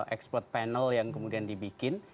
expert panel yang kemudian dibikin